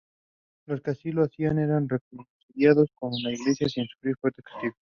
Los que así lo hacían eran "reconciliados" con la Iglesia sin sufrir fuertes castigos.